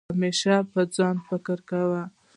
همېشه په ځان فکر کوه